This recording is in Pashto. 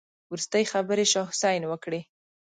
وروستۍ خبرې شاه حسين وکړې.